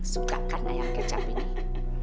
suka kan ayam kecap ini